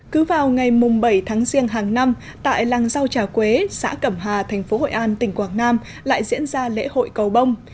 cứ vào ngày bảy tháng riêng hàng năm tại làng rau trà quế xã cẩm hà thành phố hội an tỉnh quảng nam lại diễn ra lễ hội cầu bông